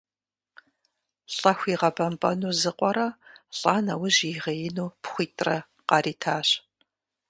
Лӏэху игъэбэмпӏэну зы къуэрэ, лӏа нэужь ягъеину пхъуитӏрэ къаритащ.